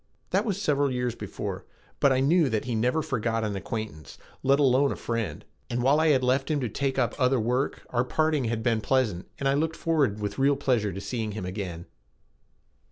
That was several years before but I knew that he never forgot an acquaintance, let alone a friend, and while I had left him to take up other work our parting had been pleasant, and I looked forward with real pleasure to seeing him again.